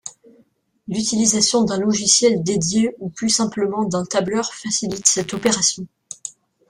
L’utilisation d’un logiciel dédié ou plus simplement d’un tableur facilite cette opération.